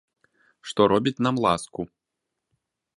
Што робіць нам ласку.